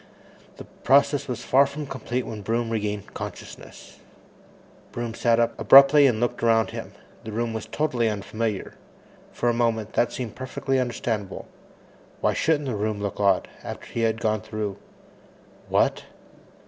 The process was far from complete when Broom regained consciousness. Broom sat up abruptly and looked around him. The room was totally unfamiliar. For a moment, that seemed perfectly understandable. Why shouldn't the room look odd, after he had gone through What?